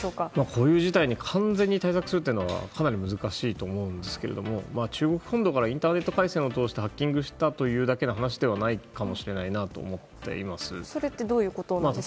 こういう事態に完全に対策するってかなり難しいと思うんですが中国本土からインターネット回線を通してハッキングしたというだけの話ではないとそれってどういうことですか。